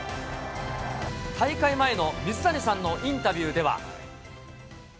大会前の水谷さんのインタビューでは。